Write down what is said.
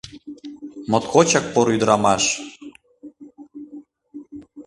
— Моткочак поро ӱдырамаш.